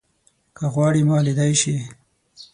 که غواړې ما ليدای شې